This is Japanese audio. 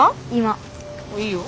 いいよ。